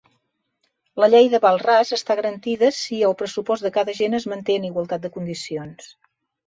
La Llei de Walras està garantida si el pressupost de cada agent es manté en igualtat de condicions.